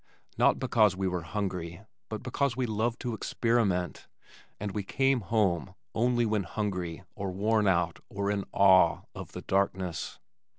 not because we were hungry but because we loved to experiment, and we came home, only when hungry or worn out or in awe of the darkness.